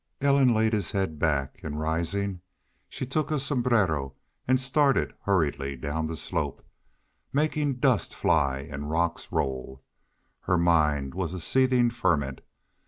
Ellen laid his head back and, rising, she took his sombrero and started hurriedly down the slope, making dust fly and rocks roll. Her mind was a seething ferment.